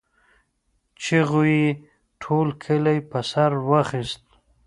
چيغو يې ټول کلی په سر واخيست.